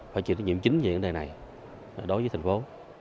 phải chịu trách nhiệm chính về vấn đề này đối với thành phố